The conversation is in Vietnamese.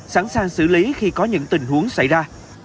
sẵn sàng xử lý khi có những tình huống xảy ra